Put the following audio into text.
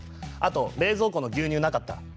あと冷蔵庫の牛乳がなかった。